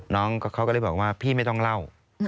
น้องเขาก็เลยบอกว่าพี่ไม่ต้องเล่า